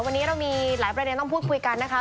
วันนี้เรามีหลายประเด็นต้องพูดคุยกันนะคะ